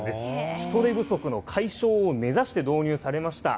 人手不足の解消を目指して導入されました。